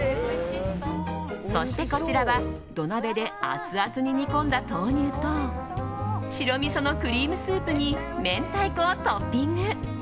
そして、こちらは土鍋でアツアツに煮込んだ豆乳と白みそのクリームスープに明太子をトッピング。